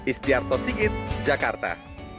istiarto sigit jakarta